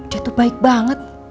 dia itu baik banget